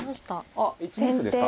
あっ１二歩ですか。